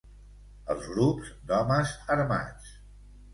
Els grups d'homes armats.